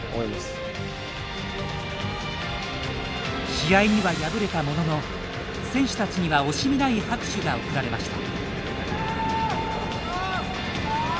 試合には敗れたものの選手たちには惜しみない拍手が送られました。